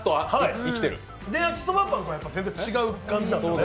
焼きそばパンと全然違う感じなんですね